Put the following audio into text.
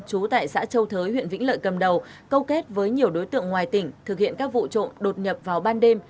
chú tại xã châu thới huyện vĩnh lợi cầm đầu câu kết với nhiều đối tượng ngoài tỉnh thực hiện các vụ trộm đột nhập vào ban đêm